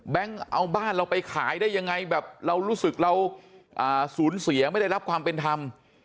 เอาบ้านเราไปขายได้ยังไงแบบเรารู้สึกเราสูญเสียไม่ได้รับความเป็นธรรม